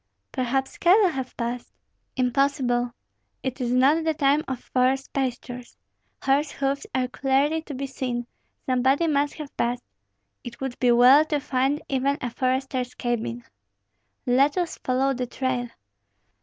"Perhaps cattle have passed." "Impossible. It is not the time of forest pastures; horse hoofs are clearly to be seen, somebody must have passed. It would be well to find even a forester's cabin." "Let us follow the trail."